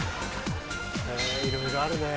いろいろあるね。